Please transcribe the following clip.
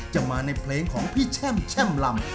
จะมาในเพลงของพี่แช่มแช่มลำ